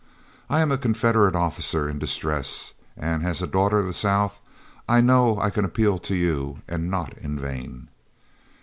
I am a Confederate officer in distress, and as a daughter of the South, I know I can appeal to you, and not in vain."